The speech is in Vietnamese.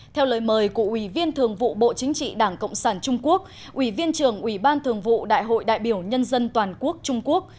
theo lời mời của ủy viên thường vụ bộ chính trị đảng cộng sản trung quốc ủy viên trưởng ủy ban thường vụ đại hội đại biểu nhân dân toàn quốc trung quốc